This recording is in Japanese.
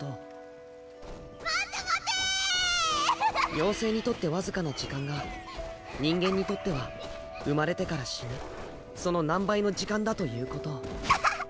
妖精にとって僅かな時間が人間にとっては生まれてから死ぬその何倍の時間だということをあはははっ！